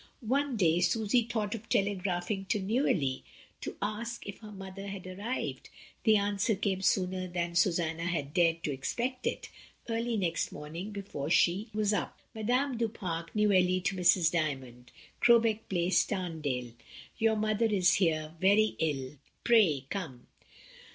One day Susy thought of telegraphing to Neuilly to ask if her mother had arrived; the answer came sooner than Susanna had dared expect it, early next morning before she was up: —*^ Madame du Pare, Neuilly, to Mrs, Dymond, Crowbeck Place, Tarndale, "Your mother is here very ill; pray come."